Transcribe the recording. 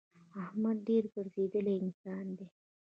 احمد ډېر ګرځېدلی انسان دی.